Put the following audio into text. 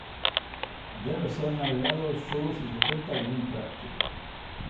Debe ser navegado sólo si se cuenta con un práctico.